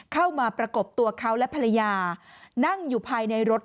ประกบตัวเขาและภรรยานั่งอยู่ภายในรถ